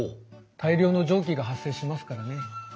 大量の蒸気が発生しますからね。